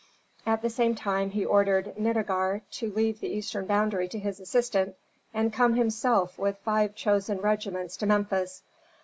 At the same time he ordered Nitager to leave the eastern boundary to his assistant, and come himself with five chosen regiments to Memphis.